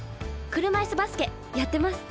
車いすバスケやってます。